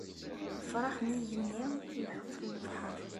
Ifrax n igenni, lḥut n lebḥer.